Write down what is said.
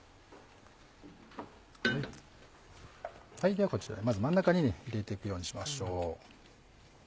ではこちらにまず真ん中に入れていくようにしましょう。